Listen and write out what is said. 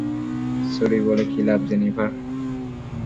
Sorry বলে কী লাভ জেনিফার?